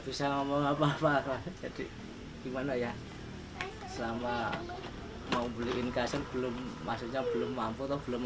bisa ngomong apa apa jadi gimana ya selama mau beliin custon belum maksudnya belum mampu atau belum